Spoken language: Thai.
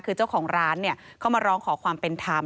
คือเจ้าของร้านเข้ามาร้องขอความเป็นธรรม